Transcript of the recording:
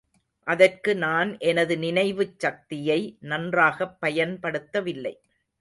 அதற்கு நான் எனது நினைவுச் சக்தியை நன்றாகப் பயன்படுத்தவில்லை.